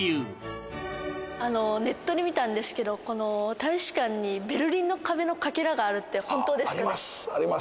ネットで見たんですけどこの大使館にベルリンの壁のカケラがあるって本当ですか？